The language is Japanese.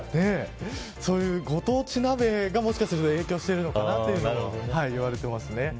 そういう、ご当地鍋がもしかすると影響しているのかなと言われていますね。